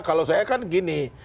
kalau saya kan gini